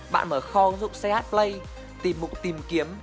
bạn mở kho ứng dụng ch play tìm mục tìm kiếm